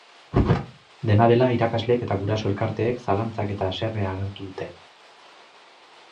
Dena dela, irakasleek eta guraso elkarteek zalantzak eta haserrea agertu dute.